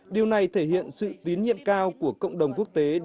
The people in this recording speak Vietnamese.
điều này thể hiện sự tín nhiệm cao của cộng đồng quốc tế